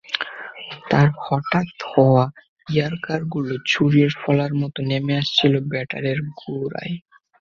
তাঁর হঠাৎ দেওয়া ইয়র্কারগুলো ছুরির ফলার মতো নেমে আসছিল ব্যাটের গোড়ায়।